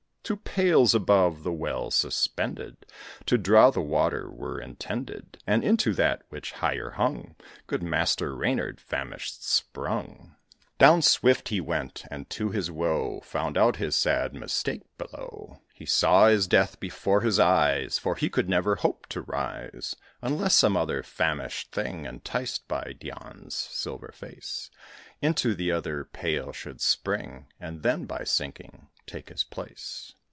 Two pails, above the well suspended, To draw the water were intended; And into that which higher hung, Good Master Reynard, famished, sprung. Down swift he went, and, to his woe, Found out his sad mistake below. He saw his death before his eyes; For he could never hope to rise, Unless some other famished thing, Enticed by Dian's silver face, Into the other pail should spring, And then, by sinking, take his place.